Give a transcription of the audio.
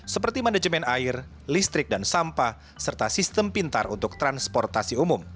seperti manajemen air listrik dan sampah serta sistem pintar untuk transportasi umum